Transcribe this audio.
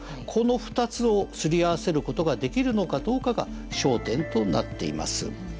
この２つをすり合わせる事ができるのかどうかが焦点となっています。